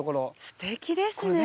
すてきですね。